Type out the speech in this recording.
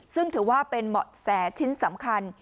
ซึ่งถือว่าเป็นเหมาะแสชิ้นสำคัญ